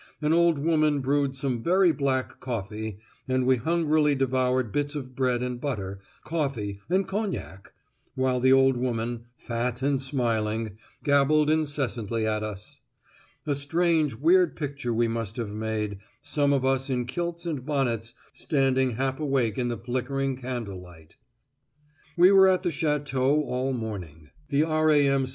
An old woman brewed some very black coffee, and we hungrily devoured bits of bread and butter, coffee, and cognac; while the old woman, fat and smiling, gabbled incessantly at us! A strange weird picture we must have made, some of us in kilts and bonnets, standing half awake in the flickering candle light. We were at the Château all the morning. "The R.A.M.